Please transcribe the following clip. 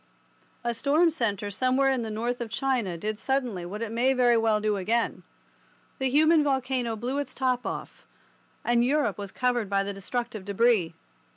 A storm centre somewhere in the north of China did suddenly what it may very well do again. The human volcano blew its top off, and Europe was covered by the destructive debris.